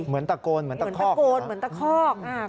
เหมือนตะโกนเหมือนตะคอกโกนเหมือนตะคอก